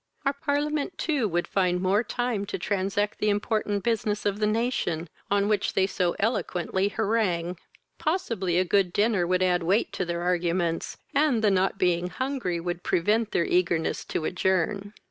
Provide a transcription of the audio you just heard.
Our parliament too would find more time to transact the important business of the nation, on which they so eloquently harangue. Possibly a good dinner would add weight to their arguments, and the not being hungry would prevent their eagerness to adjourn.